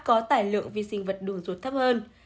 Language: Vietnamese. có tải lượng vi sinh vật đường ruột thấp hơn